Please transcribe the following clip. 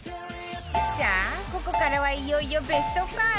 さあここからはいよいよベスト５